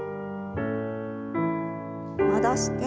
戻して。